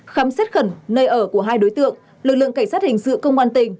khám xét khẩn nơi ở của hai đối tượng lực lượng cảnh sát hình sự công an tỉnh